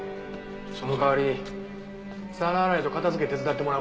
その代わり皿洗いと片付け手伝ってもらうからな。